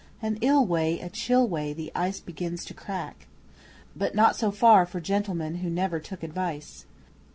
An ill way a chill way the ice begins to crack. But not so far for gentlemen who never took advice.